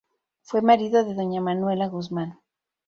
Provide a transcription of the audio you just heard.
Fue marido de doña Manuela Guzmán.